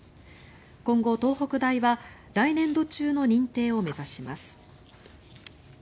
今後、東北大は来年度中の認定を目指します。